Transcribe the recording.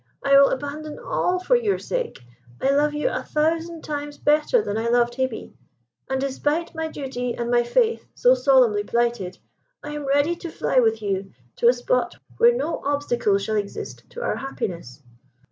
I will abandon all for your sake; I love you a thousand times better than I loved Hebe; and despite my duty and my faith so solemnly plighted, I am ready to fly with you to a spot where no obstacle shall exist to our happiness."